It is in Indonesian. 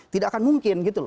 tidak akan mungkin